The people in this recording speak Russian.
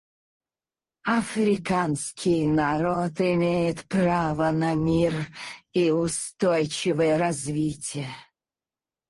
Африканский народ имеет право на мир и устойчивое развитие.